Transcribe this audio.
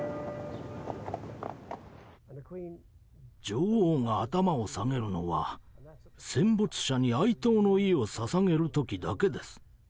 女王が頭を下げるのは戦没者に哀悼の意をささげる時だけです。